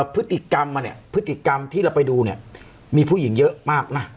พฤติกรรมมาเนี่ยพฤติกรรมที่เราไปดูเนี่ยมีผู้หญิงเยอะมากนะ